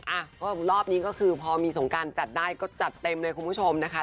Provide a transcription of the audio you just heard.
อ่ะก็รอบนี้ก็คือพอมีสงการจัดได้ก็จัดเต็มเลยคุณผู้ชมนะคะ